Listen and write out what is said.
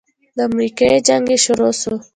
د امريکې جنگ چې شروع سو.